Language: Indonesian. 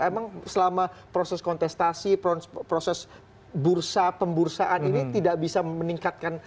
emang selama proses kontestasi proses bursa pembursaan ini tidak bisa meningkatkan